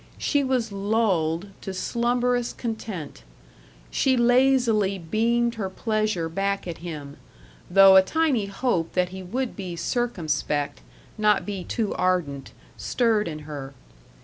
She was lulled to slumberous content. She lazily beamed her pleasure back at him, though a tiny hope that he would be circumspect, not be too ardent, stirred in her.